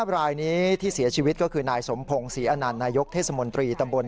๕รายนี้ที่เสียชีวิตก็คือนายสมพงศ์ศรีอนานนายกเทศมนตรี